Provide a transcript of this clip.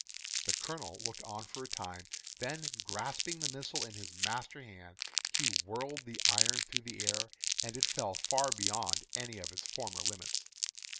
The Colonel looked on for a time, then grasping the missile in his master hand he whirled the iron through the air and it fell far beyond any of its former limits.